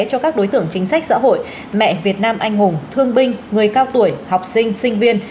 cho các đối tượng chính sách xã hội mẹ việt nam anh hùng thương binh người cao tuổi học sinh sinh viên